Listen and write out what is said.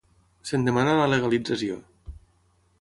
Se'n demana la legalització.